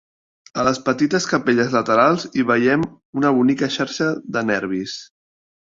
A les petites capelles laterals hi veiem una bonica xarxa de nervis.